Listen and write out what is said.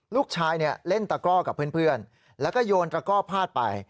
ลูกชายเล่นตะก้อกับเพื่อนแล้วก็โยนตระก้อพาดไป